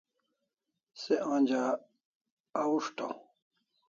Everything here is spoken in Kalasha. Se onja ahushtaw